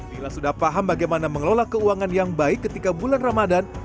bila sudah paham bagaimana mengelola keuangan yang baik ketika bulan ramadan